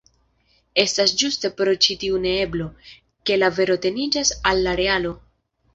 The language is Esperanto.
Estas ĝuste pro ĉi tiu neeblo, ke la vero teniĝas al la realo.